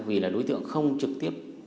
vì là đối tượng không trực tiếp